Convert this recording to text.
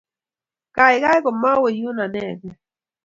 kaaikaai komowe yun anegei